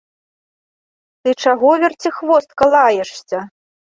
Ты чаго, верціхвостка, лаешся!